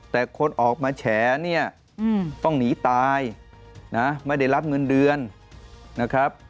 แต่คนออกมาแฉเนี่ยต้องหนีตายนะไม่ได้รับเงินเดือนนะครับ